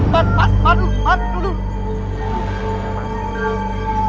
ปั๊ดปั๊ดปั๊ดดูดูดู